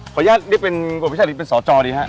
พระยาศนี่เป็นผู้เอาพิชาธิตเป็นสจนี่คะ